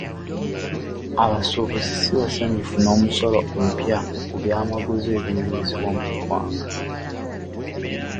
Abasuubuzi si basanyufu n'omusolo omupya ku byamaguzi ebiyingizibwa mu ggwanga.